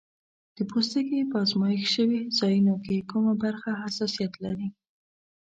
د پوستکي په آزمېښت شوي ځایونو کې کومه برخه حساسیت لري؟